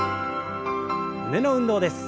胸の運動です。